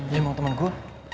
dia mau temen gue